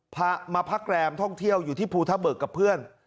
มาพักแรมท่องเที่ยวอยู่ที่ภูทะเบิกกับเพื่อน